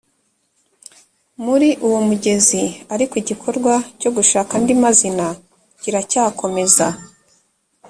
muri uwo mugezi ariko igikorwa cyo gushaka andi mazina kiracyakomeza